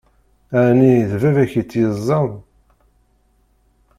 Ɛni d baba-k i tt-yeẓẓan?